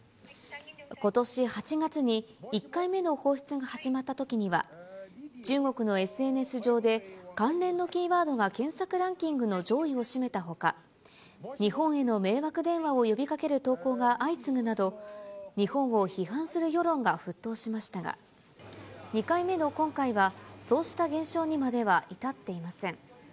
ことし８月に、１回目の放出が始まったときには、中国のＳＮＳ上で関連のキーワードが検索ランキングの上位を占めたほか、日本への迷惑電話を呼びかける投稿が相次ぐなど、日本を批判する世論が沸騰しましたが、２回目の今回はそうした現象にまでは至っていません。